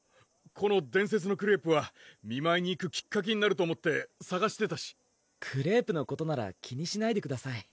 この「伝説のクレープ」は見舞いに行くきっかけになると思ってさがしてたしクレープのことなら気にしないでください